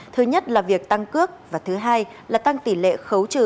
thứ nhất là việc tăng cước và thứ hai là tăng tỷ lệ khấu trừ